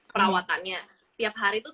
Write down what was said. perawatannya tiap hari tuh